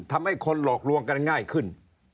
ทำให้คนหลอกลวงกันง่ายขึ้น